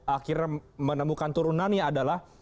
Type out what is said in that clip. akhirnya menemukan turunan ya adalah